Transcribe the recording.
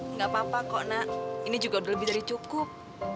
nggak apa apa kok nak ini juga udah lebih dari cukup